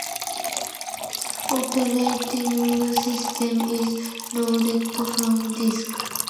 The operating system is loaded from disk.